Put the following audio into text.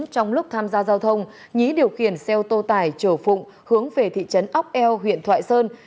trong lúc tham gia giao thông nhí điều khiển xe ô tô tải chở phụng hướng về thị trấn ốc eo huyện thoại sơn